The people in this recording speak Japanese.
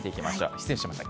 失礼しました。